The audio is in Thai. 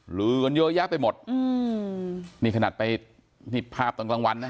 หลือก็เยอะแยะไปหมดนี่ขนาดไปนิดภาพกลางวันนะ